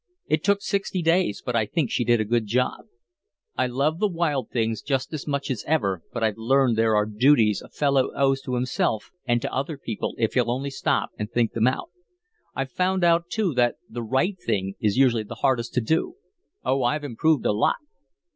It took sixty days, but I think she did a good job. I love the wild things just as much as ever, but I've learned that there are duties a fellow owes to himself, and to other people, if he'll only stop and think them out. I've found out, too, that the right thing is usually the hardest to do. Oh, I've improved a lot."